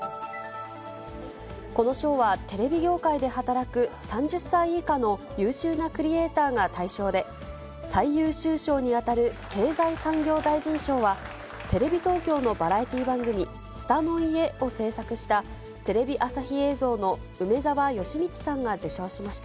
この賞はテレビ業界で働く３０歳以下の優秀なクリエーターが対象で、最優秀賞に当たる経済産業大臣賞は、テレビ東京のバラエティー番組、ツタの家。を制作した、テレビ朝日映像の梅澤慶光さんが受賞しました。